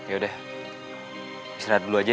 yaudah istirahat dulu aja ya